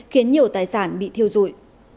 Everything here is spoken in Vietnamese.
khiến nhiều tài sản bị thiêu rụi